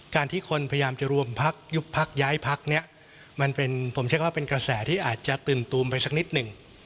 การที่คนพยายามจะรวมพักยุบพักย้ายพักผมเช็คว่าเป็นกระแสที่อาจจะตื่นตูมไปสักนิดหนึ่ง